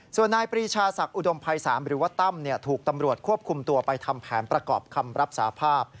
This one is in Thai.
ส่วนนายปรีชาศักดิ์อุดมภัย๓หรือว่าตั้มถูกตำรวจควบคุมตัวไปทำแผนประกอบคำรับสาภาพ